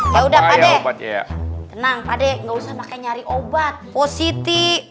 ya udah pada tenang pada enggak usah pakai nyari obat positif